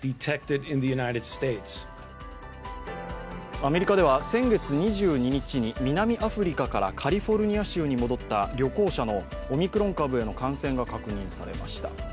アメリカでは先月２２日に南アフリカからカリフォルニア州に戻った旅行者のオミクロン株への感染が確認されました。